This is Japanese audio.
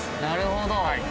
なるほど。